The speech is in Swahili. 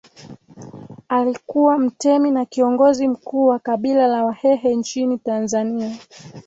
Alikuwa mtemi na kiongozi mkuu wa kabila la Wahehe nchini Tanzania